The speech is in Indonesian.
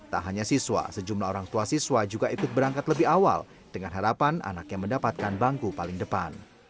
tak hanya siswa sejumlah orang tua siswa juga ikut berangkat lebih awal dengan harapan anaknya mendapatkan bangku paling depan